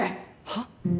はっ？